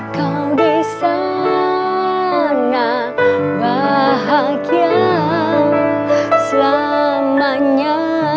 kau di sana bahagia selamanya